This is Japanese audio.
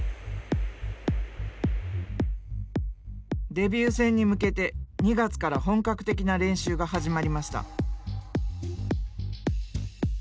デビュー戦に向けて２月から本格的な練習が始まりました。